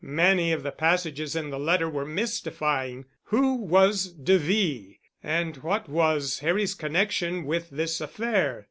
Many of the passages in the letter were mystifying. Who was de V——? And what was Harry's connection with this affair?